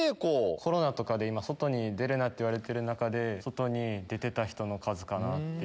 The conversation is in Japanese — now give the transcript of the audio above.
コロナとかで今外に出るなっていわれてる中で外に出てた人の数かなっていう。